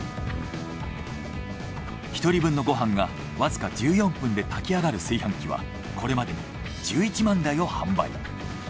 一人分のご飯がわずか１４分で炊きあがる炊飯器はこれまでに１１万台を販売。